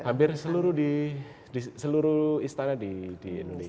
hampir seluruh istana di indonesia